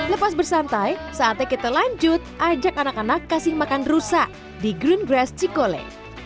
lepas bersantai saatnya kita lanjut ajak anak anak kasih makan rusa di green grass cikole